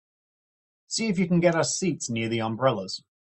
See if you can get us seats near the umbrellas.